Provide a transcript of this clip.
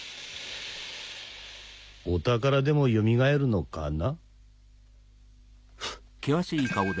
お宝でもよみがえるのかな？